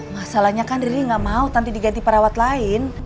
masalahnya kan riri gak mau tanti diganti perawat lain